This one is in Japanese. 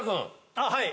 あっはい。